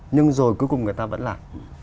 nhưng rồi cuối cùng người ta vẫn làm